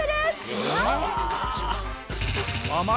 えっ？